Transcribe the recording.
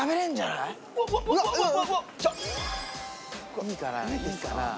いいかな？